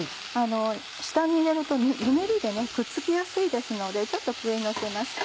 下に入れるとぬめりでくっつきやすいですのでちょっと上にのせます。